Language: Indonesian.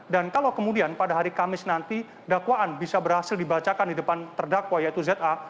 dan kalau kemudian pada hari kamis nanti dakwaan bisa berhasil dibacakan di depan terdakwa yaitu za